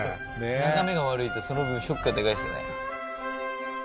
眺めが悪いとその分ショックがデカいっすね。